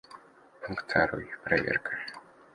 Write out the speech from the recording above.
Пункт второй: проверка.